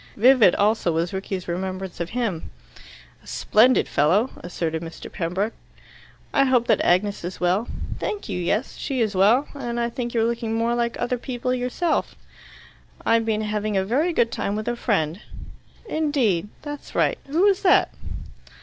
Vivid also was Rickie's remembrance of him. "A splendid fellow," asserted Mr. Pembroke. "I hope that Agnes is well." "Thank you, yes; she is well. And I think you're looking more like other people yourself." "I've been having a very good time with a friend." "Indeed. That's right. Who was that?"